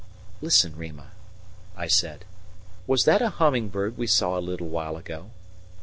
"Listen, Rima," I said. "Was that a humming bird we saw a little while ago?